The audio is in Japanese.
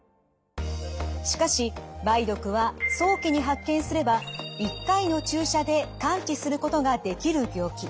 しかし梅毒は早期に発見すれば１回の注射で完治することができる病気。